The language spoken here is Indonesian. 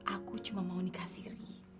aku cuma mau nikah siri